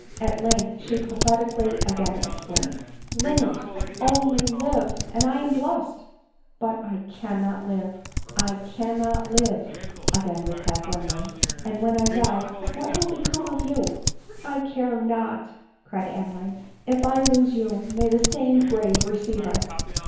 At length she pathetically again exclaimed, " Lave — only live ! and I am blest i" " But I cannot live, I cannot live," again replied Glenmurray ;" and when I die what will become of you ?"" I care not," cried Adeline ; a if I lose you, may the same grave receive us